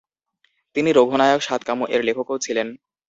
তিনি "রঘুনায়ক সাতকামু" এর লেখকও ছিলেন।